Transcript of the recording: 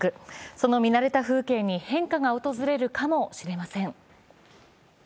その見慣れた風景に変化が訪れるかもしれません。